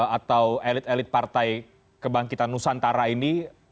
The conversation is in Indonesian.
atau elit elit partai kebangkitan nusantara ini